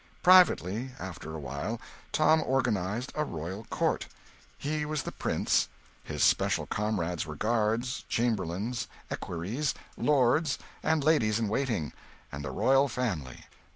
Privately, after a while, Tom organised a royal court! He was the prince; his special comrades were guards, chamberlains, equerries, lords and ladies in waiting, and the royal family.